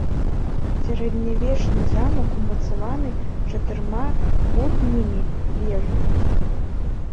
Сярэднявечны замак умацаваны чатырма кутнімі вежамі.